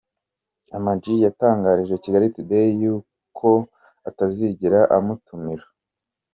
Ama-G yatangarije Kigali Today ko atazigera amutumira.